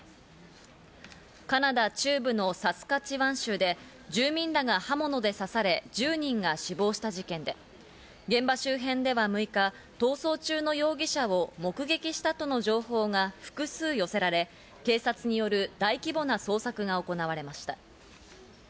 カナダ中部のサスカチワン州で、住民らが刃物で刺され、１０人が死亡した事件で、現場周辺では６日、逃走中の容疑者を目撃したとの情報が複数寄せられ、警察による大規模な捜索が行われました。